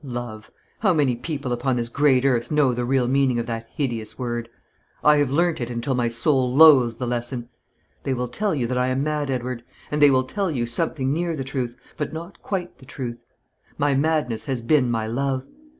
Love! How many people upon this great earth know the real meaning of that hideous word! I have learnt it until my soul loathes the lesson. They will tell you that I am mad, Edward, and they will tell you something near the truth; but not quite the truth. My madness has been my love.